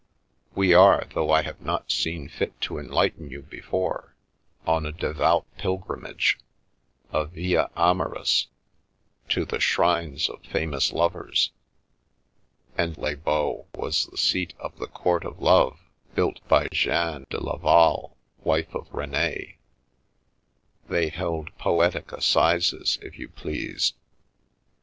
" We are, though I have not seen fit to enlighten you before, on a devout pilgrimage, a via amoris, to the shrines of famous lovers. And Les Baux was the seat of the Court of Love, built by Jeanne de Laval, wife of Rene. They held poetic assizes, if you please."